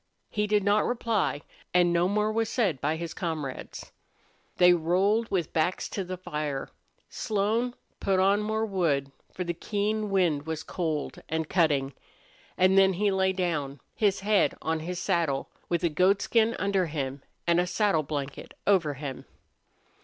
He did not reply, and no more was said by his comrades. They rolled with backs to the fire. Slone put on more wood, for the keen wind was cold and cutting; and then he lay down, his head on his saddle, with a goatskin under him and a saddle blanket over him.